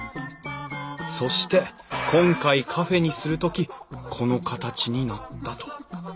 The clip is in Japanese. そして今回カフェにする時この形になったと。